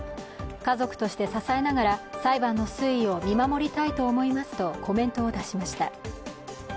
家族として支えながら裁判の推移を見守りたいと思いますとコメントを出しました。